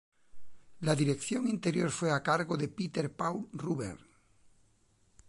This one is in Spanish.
La decoración interior fue a cargo de Peter Paul Rubens.